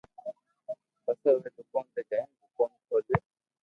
پسو اووي دوڪون تو جائين دوڪون کولوي